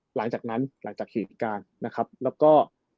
หลังจากนั้นหลังจากเหตุการณ์นะครับแล้วก็